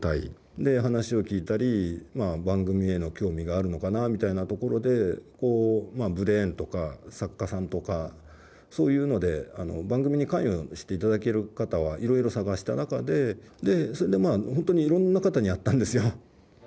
で話を聞いたり番組への興味があるのかなみたいなところでこうブレインとか作家さんとかそういうので番組に関与していただける方はいろいろ探した中でそれでまあ本当にいろんな方に会ったんですよ。